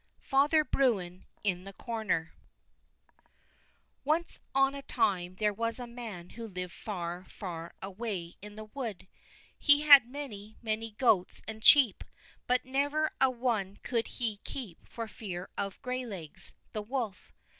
Father Bruin in the Corner Once on a time there was a man who lived far, far away in the wood. He had many, many goats and sheep, but never a one could he keep for fear of Graylegs, the wolf.